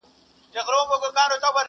چي به پورته څوك پر تخت د سلطنت سو٫